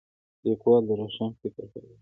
لیکوال د روښان فکر خاوند وي.